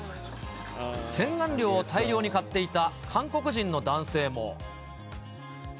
洗顔料を大量に買っていた韓国人の男性も。